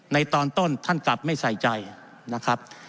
ในตอนต้นท่านกลับไม่ใส่ใจนะครับ